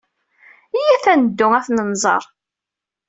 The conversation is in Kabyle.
Iyyat ad neddu ad ten-nẓer.